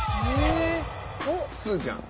すずちゃん。